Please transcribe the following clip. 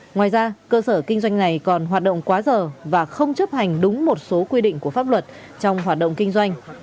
ngoài ra cơ sở kinh doanh này còn hoạt động quá giờ và không chấp hành đúng một số quy định của pháp luật trong hoạt động kinh doanh